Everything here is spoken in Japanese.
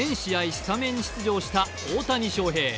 スタメン出場した大谷翔平。